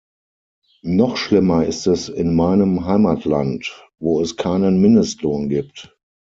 Noch schlimmer ist es in meinem Heimatland, wo es keinen Mindestlohn gibt.